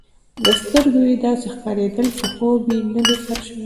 له سترګو يې داسي ښکارېدل، چي خوب یې نه دی سر شوی.